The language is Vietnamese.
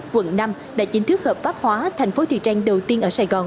quận năm đã chính thức hợp pháp hóa thành phố thuyền trang đầu tiên